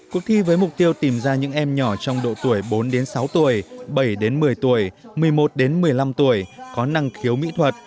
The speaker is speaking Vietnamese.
cuộc thi với mục tiêu tìm ra những em nhỏ trong độ tuổi bốn sáu tuổi bảy đến một mươi tuổi một mươi một đến một mươi năm tuổi có năng khiếu mỹ thuật